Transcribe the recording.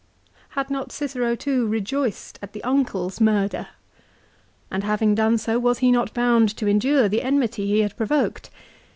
Had not Cicero too rejoiced at the uncle's murder ? And having done so was he not bound to endure the enmity he had provoked